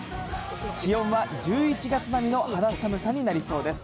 気温は１１月並みの肌寒さになりそうです。